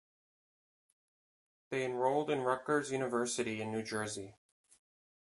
They enrolled in Rutgers University in New Jersey.